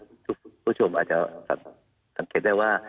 คุณผู้ชมอาจจะสังเกตได้ว่า